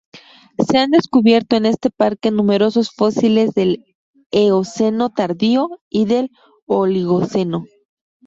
Se han descubierto en este parque numerosos fósiles del eoceno tardío y del oligoceno.